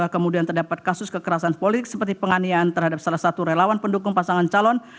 kemudian terdapat kasus kekerasan politik seperti penganian terhadap salah satu relawan pendukung pasangan calon